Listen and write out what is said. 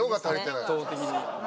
圧倒的に。